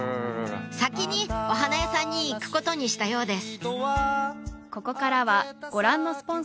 先にお花屋さんに行くことにしたようです